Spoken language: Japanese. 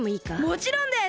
もちろんです！